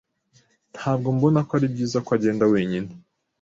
Ntabwo mbona ko ari byiza ko agenda wenyine.